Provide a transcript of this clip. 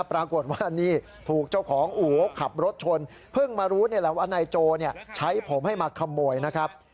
ปรากฏว่านี่ถูกเจ้าของอู๋ขับรถชนเพิ่งมารู้นี่แหละว่านายโจใช้ผมให้มาขโมยนะครับ